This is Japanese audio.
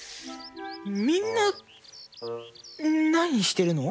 みんななにしてるの？